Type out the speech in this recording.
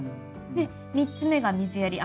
で３つ目が水やり。